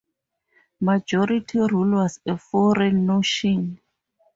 Majority rule was a foreign notion.